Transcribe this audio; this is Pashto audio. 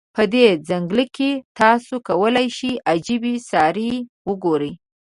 په دې ځنګل کې، تاسو کولای شی عجيبې سیارې وګوری.